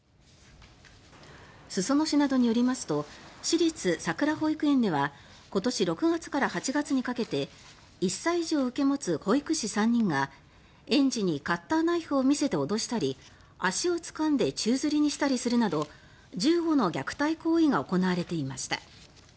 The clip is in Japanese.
裾野市などによりますと私立さくら保育園では今年６月から８月にかけて１歳児を受け持つ保育士３人が園児にカッターナイフを見せて脅したり足をつかんで宙づりにしたりするなど１５の虐待行為が行われていました。